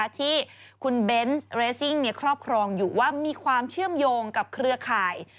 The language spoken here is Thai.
ที่คุณเบนส์เรสซิ่งครอบครองอยู่ว่ามีความเชื่อมโยงกับเครือข่าย